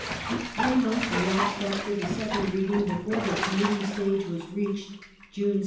Three months elapsed after the second Reading before the Committee stage was reached (June 16).